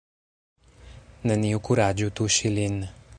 Neniu kuraĝu tuŝi lin!